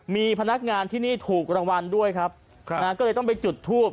มีพนักงานที่นี่ถูกรางวัลด้วยครับนะก็เลยต้องไปจุดทูบ